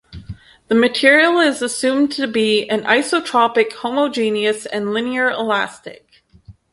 The material is assumed to be an isotropic, homogeneous, and linear elastic.